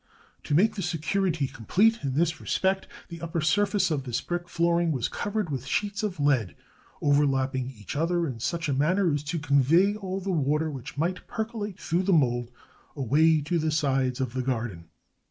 To make the security complete in this respect, the upper surface of this brick flooring was covered with sheets of lead, overlapping each other in such a manner as to convey all the water which might percolate through the mould away to the sides of the garden.